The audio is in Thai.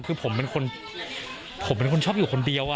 คือผมเป็นคนชอบอยู่คนเดียวอะ